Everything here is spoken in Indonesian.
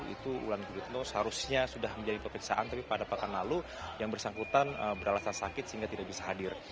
itu wulan guritno seharusnya sudah menjalani pemeriksaan tapi pada pekan lalu yang bersangkutan beralasan sakit sehingga tidak bisa hadir